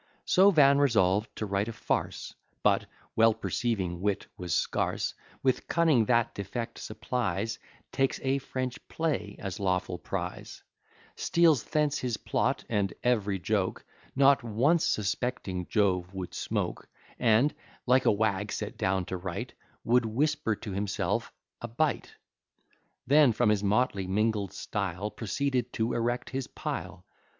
So Van resolved to write a farce; But, well perceiving wit was scarce, With cunning that defect supplies: Takes a French play as lawful prize; Steals thence his plot and ev'ry joke, Not once suspecting Jove would smoke; And (like a wag set down to write) Would whisper to himself, "a bite." Then, from this motley mingled style, Proceeded to erect his pile.